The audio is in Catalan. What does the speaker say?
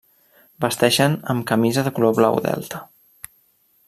Vesteixen amb camisa de color Blau Delta.